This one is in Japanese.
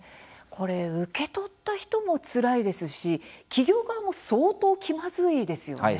受け取った人もつらいですし企業側も相当気まずいですよね。